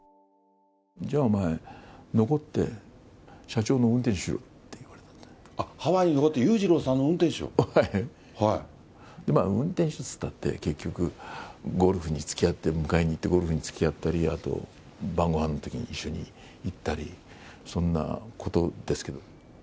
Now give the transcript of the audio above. じゃあお前、残って、あっ、ハワイに残って裕次郎まあ運転手っていったって、結局、ゴルフにつきあって、迎えに行って、ゴルフにつきあったり、あと晩ごはんのときに一緒に行ったり、そんなことですけど。